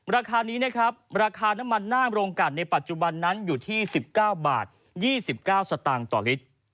ราคานี้นะครับราคาน้ำมันหน้าโรงกันในปัจจุบันนั้นอยู่ที่๑๙บาท๒๙สตางค์ต่อลิตร